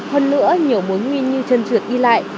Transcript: hơn nữa nhiều mối nghi như chân trượt đi lại